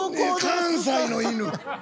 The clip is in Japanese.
関西の犬。